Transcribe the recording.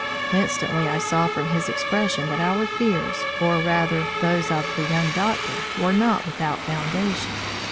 Instantly I saw from his expression that our fears or rather, those of the young doctor, were not without foundation.